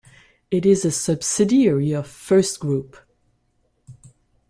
It is a subsidiary of FirstGroup.